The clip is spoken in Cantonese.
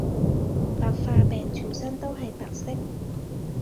白化病全身都係白色